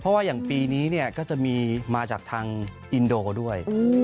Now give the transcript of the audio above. เพราะว่าอย่างปีนี้ก็จะมีมาจากทางอินโดด้วย